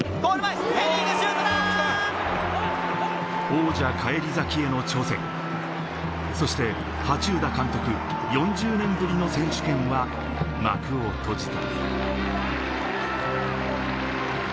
王者返り咲きへの挑戦、そして羽中田監督４０年ぶりの選手権は幕を閉じた。